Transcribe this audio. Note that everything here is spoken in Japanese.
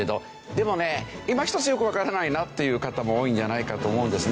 でもねいま一つよくわからないなという方も多いんじゃないかと思うんですね。